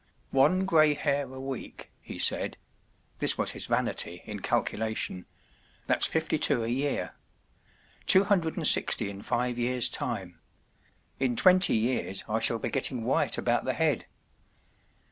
“ One grey hair a week,” he said—this was his vanity in calculation—” that’s fifty two a year. Two hundred and sixty in five years’ time. In twenty years I shall be getting white about the head.